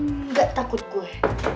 enggak takut gue